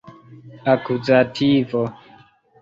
akuzativo